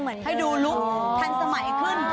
ให้ดูลุคทันสมัยขึ้น